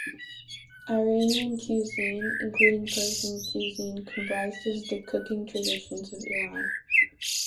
Iranian cuisine (Including Persian cuisine) comprises the cooking traditions of Iran.